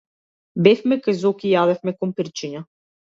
Бевме кај Зоки и јадевме компирчиња.